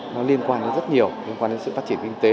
nó liên quan đến rất nhiều liên quan đến sự phát triển kinh tế